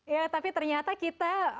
ya tapi ternyata kayaknya